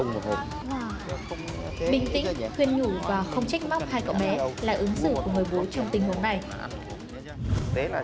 là ứng dụng của người bố trong tình huống này